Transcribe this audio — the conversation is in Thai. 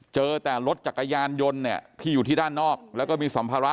เจอแต่รถจักรยานยนต์เนี่ยที่อยู่ที่ด้านนอกแล้วก็มีสัมภาระ